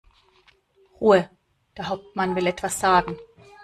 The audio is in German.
Ruhe! Der Hauptmann will etwas sagen.